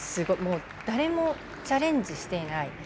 誰もチャレンジしていない